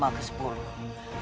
kan kau sudah penuh